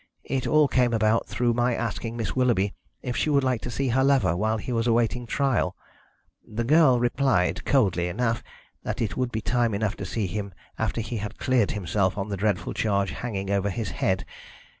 It all came about through my asking Miss Willoughby if she would like to see her lover while he was awaiting trial. The girl replied, coldly enough, that it would be time enough to see him after he had cleared himself of the dreadful charge hanging over his head.